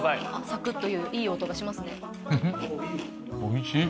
サクッといういい音がしますね。